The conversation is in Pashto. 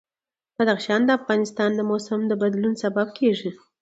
بدخشان د افغانستان د موسم د بدلون سبب کېږي.